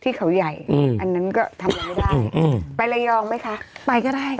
ที่เขาใหญ่อันนั้นก็ทำไม่ได้